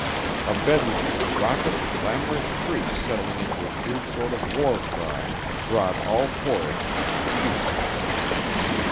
A bedlam of raucous, clamorous shrieks settling into a crude sort of war cry brought all four of them to their feet.